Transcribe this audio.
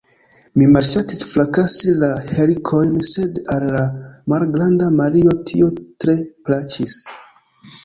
Mi malŝatis frakasi la helikojn, sed al la malgranda Maria tio tre plaĉis.